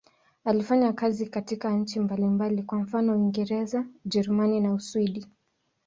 Alifanya kazi katika nchi mbalimbali, kwa mfano Uingereza, Ujerumani na Uswidi.